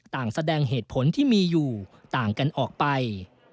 แสดงเหตุผลที่มีอยู่ต่างกันออกไป